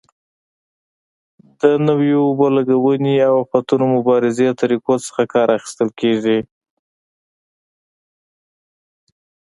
د نویو اوبه لګونې او آفتونو مبارزې طریقو څخه کار اخیستل کېږي.